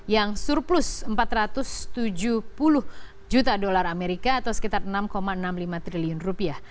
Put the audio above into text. yang surplus empat ratus tujuh puluh juta dolar amerika atau sekitar enam enam puluh lima triliun rupiah